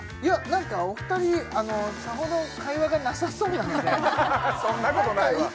何かお二人さほど会話がなさそうなのではははそんなことないわ！